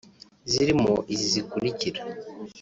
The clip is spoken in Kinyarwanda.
zirimo izi zikurikira